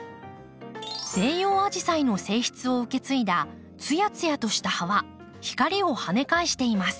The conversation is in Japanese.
西洋アジサイの性質を受け継いだツヤツヤとした葉は光をはね返しています。